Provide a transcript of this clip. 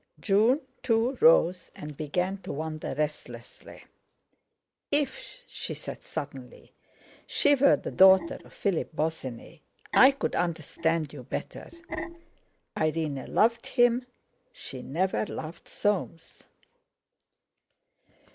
June, too, rose, and began to wander restlessly. "If," she said suddenly, "she were the daughter of Philip Bosinney, I could understand you better. Irene loved him, she never loved Soames."